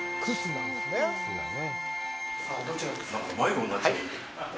なんか迷子になっちゃう。